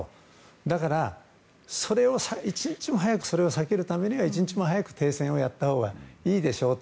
だから、それを避けるためには１日も早く、停戦をやったほうがいいでしょと。